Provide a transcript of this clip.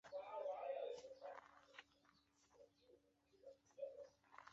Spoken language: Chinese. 被幕府收回领地。